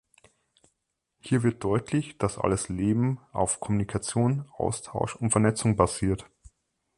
Hier wird deutlich, dass alles Leben auf Kommunikation, Austausch und Vernetzung basiert.